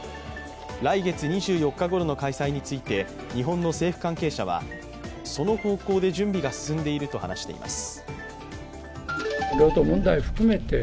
来月２４日ごろの開催について、日本の政府関係者はその方向で準備が進んでいると話しています。